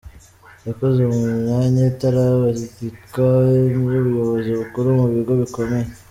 Yakoze mu myanya itabarika y’ubuyobozi bukuru mu bigo bikomeye.